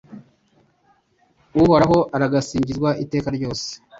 Uhoraho aragasingizwa iteka ryose